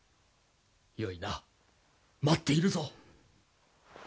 よいな待っているぞ！